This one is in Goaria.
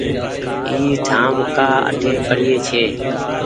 اي ٺآم ڪآ اٺي پڙيي ڇي